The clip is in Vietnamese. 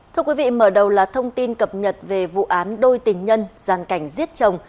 thưa quý vị mở đầu là thông tin cập nhật về vụ án đôi tình nhân gian cảnh giết chồng